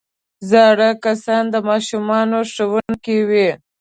زاړه کسان د ماشومانو ښوونکي وي